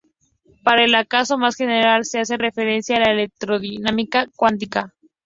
Para el caso más general, se hace referencia a la electrodinámica cuántica.